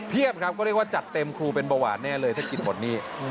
ครับก็เรียกว่าจัดเต็มครูเป็นเบาหวานแน่เลยถ้าคิดบทนี้